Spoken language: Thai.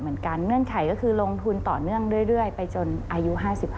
เงื่อนไขก็คือลงทุนต่อเนื่องเรื่อยไปจนอายุ๕๕